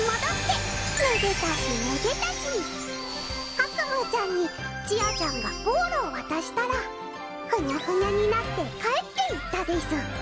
アクムーちゃんにちあちゃんがボーロを渡したらふにゃふにゃになって帰っていったです。